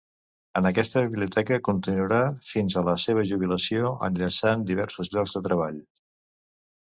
En aquesta biblioteca continuarà fins a la seva jubilació, enllaçant diversos llocs de treball.